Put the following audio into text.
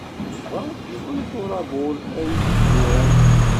Yuba yewweḍ-it uṛabul ay d-turamt.